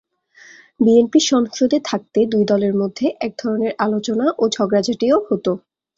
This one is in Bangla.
বিএনপি সংসদে থাকতে দুই দলের মধ্যে একধরনের আলোচনা ও ঝগড়াঝাঁটিও হতো।